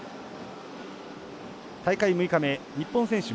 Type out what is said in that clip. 大会６日目、日本選手